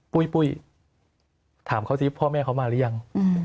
ปุ้ยปุ้ยถามเขาสิพ่อแม่เขามาหรือยัง